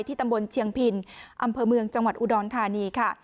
ตำบลเชียงพินอำเภอเมืองจังหวัดอุดรธานีค่ะ